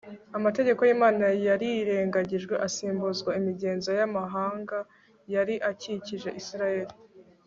amategeko y'imana yarirengagijwe asimbuzwa imigenzo y'amahanga yari akikije isirayeli